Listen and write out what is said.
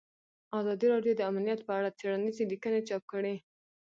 ازادي راډیو د امنیت په اړه څېړنیزې لیکنې چاپ کړي.